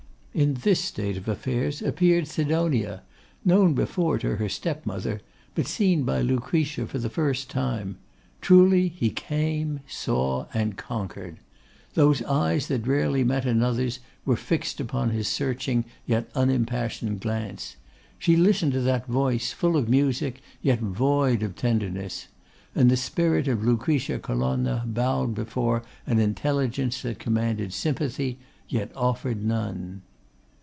In this state of affairs appeared Sidonia, known before to her step mother, but seen by Lucretia for the first time. Truly, he came, saw, and conquered. Those eyes that rarely met another's were fixed upon his searching yet unimpassioned glance. She listened to that voice, full of music yet void of tenderness; and the spirit of Lucretia Colonna bowed before an intelligence that commanded sympathy, yet offered none.